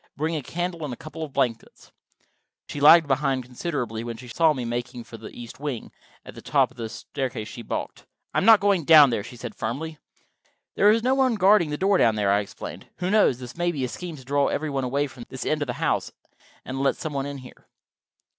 "Bring a candle and a couple of blankets." She lagged behind considerably when she saw me making for the east wing, and at the top of the staircase she balked. "I am not going down there," she said firmly. "There is no one guarding the door down there," I explained. "Who knows?—this may be a scheme to draw everybody away from this end of the house, and let some one in here."